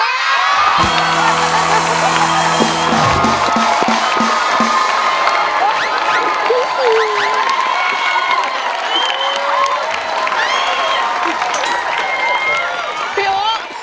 พี่อู๋เดี๋ยว